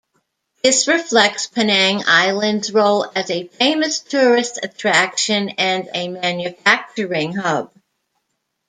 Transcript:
This reflects Penang Island's role as a famous tourist attraction and a manufacturing hub.